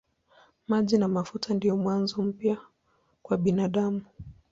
Maji na mafuta ndiyo mwanzo mpya kwa binadamu.